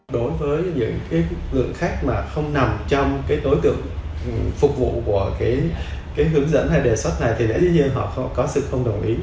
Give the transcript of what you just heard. đối với những người khác mà không nằm trong cái tối tượng phục vụ của cái hướng dẫn hay đề xuất này thì lẽ dĩ nhiên họ có sự không đồng ý